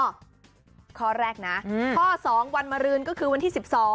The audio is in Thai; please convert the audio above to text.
ข้อแรกนะข้อ๒วันมารืนก็คือวันที่๑๒